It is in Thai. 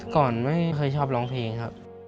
ก่อนไม่เคยชอบร้องเพลงครับ